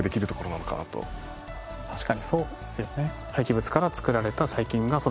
確かにそうですよね。